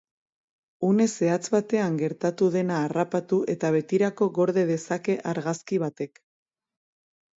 Une zehatz batean gertatu dena harrapatu eta betirako gorde dezake argazki batek.